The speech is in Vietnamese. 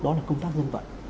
đó là công tác dân vận